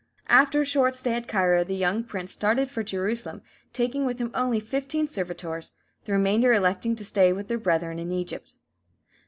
After a short stay at Cairo, the young prince started for Jerusalem, taking with him only fifteen servitors, the remainder electing to stay with their brethren in Egypt.